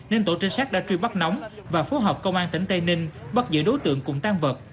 nên tổ trinh sát đã truy bắt nóng và phối hợp công an tỉnh tây ninh bắt giữ đối tượng cùng tan vật